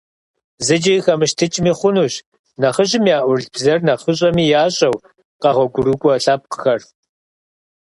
ЗыкӀи къыхэмыщтыкӀми хъунущ нэхъыжьым яӀурылъ бзэр нэхъыщӀэми ящӀэу къэгъуэгурыкӀуэ лъэпкъхэр.